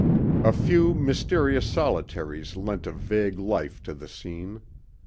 A few mysterious solitaries lent a vague life to the scene.